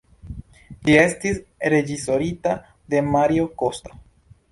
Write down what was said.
Ĝi estis reĝisorita de Mario Costa.